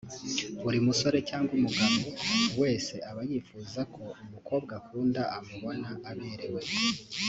Buri musore cyangwa umugabo wese aba yifuza ko umukobwa akunda amubona aberewe